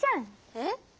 えっ？